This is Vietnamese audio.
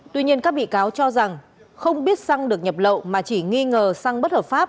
tuy nhiên các bị cáo cho rằng không biết xăng được nhập lậu mà chỉ nghi ngờ xăng bất hợp pháp